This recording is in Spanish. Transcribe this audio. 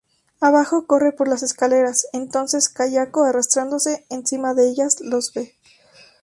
Abajo corre por las escaleras, entonces Kayako arrastrándose encima de ellas lo ve.